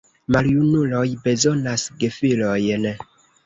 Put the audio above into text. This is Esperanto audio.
Maljunuloj bezonas gefilojn.